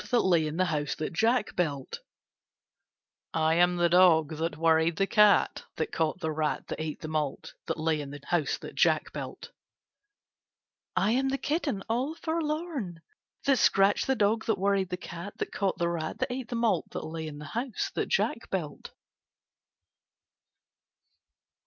That lay in the house that Jack built. I am the dog, that worried the cat, That caught the rat. That ate the malt, That lay in the house that Jack built. I am the kitten all forlorn. That scratched the dog, That worried the cat. That caught the rat. That ate the malt. That lay in the house that Jack built.